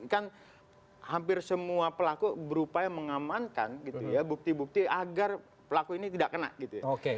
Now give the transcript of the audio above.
kan hampir semua pelaku berupaya mengamankan gitu ya bukti bukti agar pelaku ini tidak kena gitu ya